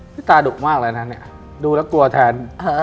พี่ตาดุกมากเลยนะดูแล้วกลัวแทน